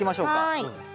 はい。